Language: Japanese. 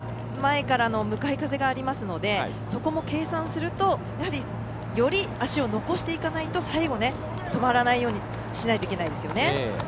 ちょっと斜め前からの向かい風がありますのでそこも計算するとより足を残していかないと最後、止まらないようにしないといけないですよね。